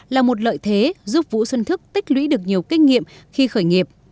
là một lợi thế giúp vũ xuân thức tích lũy được nhiều kinh nghiệm khi khởi nghiệp